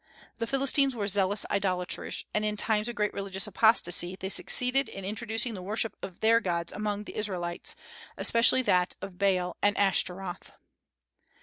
The Philistines were zealous idolaters, and in times of great religious apostasy they succeeded in introducing the worship of their gods among the Israelites, especially that of Baal and Ashtaroth.